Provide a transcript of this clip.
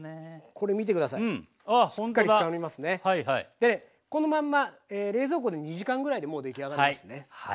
でこのまんま冷蔵庫で２時間ぐらいでもう出来上がりますね。